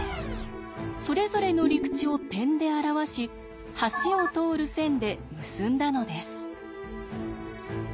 それぞれの陸地を点で表し橋を通る線で結んだのです。